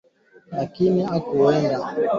Lakini kwa mujibu wa taarifa ya Benki ya Dunia